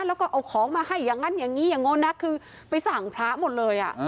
แล้วก็เอาของมาให้อย่างนั้นอย่างนี้อย่างโน้นนะคือไปสั่งพระหมดเลยอ่ะ